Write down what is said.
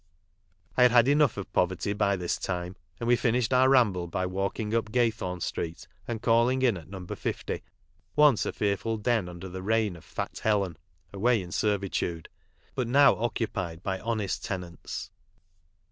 I had had enough of Foverty by this time, and we finished our ramble by walking up Gay thorn street and calling in at No. 50, once a fearful den under the reign of Fat Helen (away in servitude), but now occupied by honest tenants.